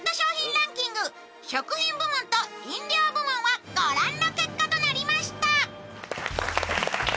ランキング食品部門と飲料部門は御覧の結果となりました。